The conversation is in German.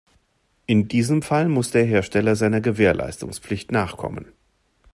In diesem Fall muss der Hersteller seiner Gewährleistungspflicht nachkommen.